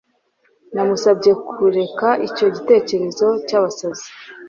Namusabye kureka icyo gitekerezo cyabasazi